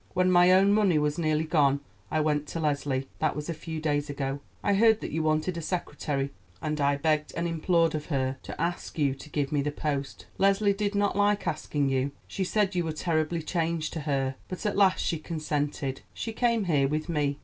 When my own money was nearly gone I went to Leslie; that was a few days ago. I heard that you wanted a secretary, and I begged and implored of her to ask you to give me the post. Leslie did not like asking you. She said you were terribly changed to her; but at last she consented. She came here with me.